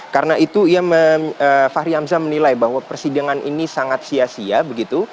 karena itu fahri hamzah menilai bahwa persidangan ini sangat sia sia begitu